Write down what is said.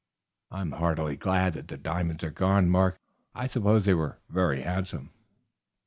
I am heartily glad that the diamonds are gone, Mark. I suppose they were very handsome?"